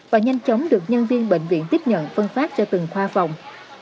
và nhanh chóng được nhân viên bệnh viện tiếp nhận phân phát cho từng khoa phòng